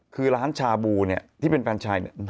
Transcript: คือร้านชาบูเนี่ยที่เป็นแฟนชายเนี่ย